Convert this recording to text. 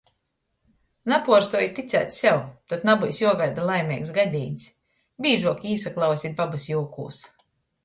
Napuorstuojit ticēt sev, tod nabyus juogaida laimeigs gadīņs... bīžuok īsaklausit babys jūkūs.